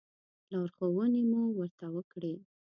لارښوونې مو ورته وکړې.